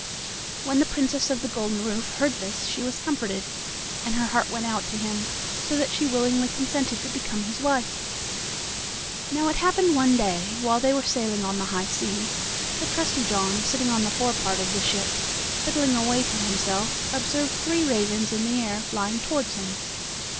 When the Princess of the Golden Roof heard this she was comforted, and her heart went out to him, so that she willingly consented to become his wife. Now it happened one day, while they were sailing on the high seas, that Trusty John, sitting on the forepart of the ship, fiddling away to himself, observed three ravens in the air flying toward him.